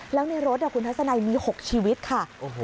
แล้วในรถคุณทัศนัยมี๖ชีวิตค่ะ